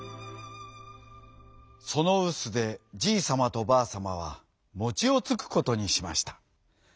そのうすでじいさまとばあさまはもちをつくことにしました。